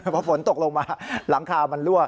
พอฝนตกลงมาหลังคามันรั่ว